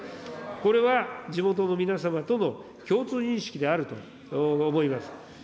これは地元の皆様との共通認識であると思います。